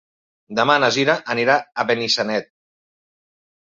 Demà na Cira anirà a Benissanet.